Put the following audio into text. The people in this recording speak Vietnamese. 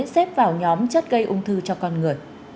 xếp vào nhóm chất gây ung thư cho con người